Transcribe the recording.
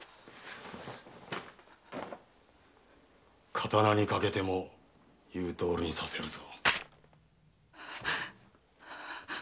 刀にかけても言うとおりにさせるぞ。